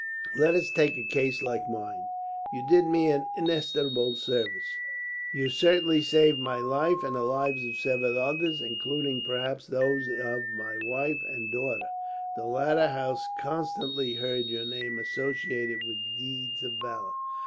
"Let us take a case like mine. You did me an inestimable service. You certainly saved my life, and the lives of several others; including, perhaps, those of my wife and daughter. The latter has constantly heard your name associated with deeds of valour.